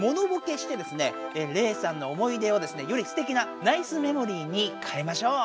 レイさんの思い出をですねよりすてきなナイスメモリーに変えましょう。